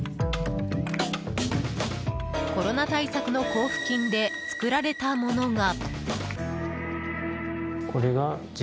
コロナ対策の交付金で作られたものが。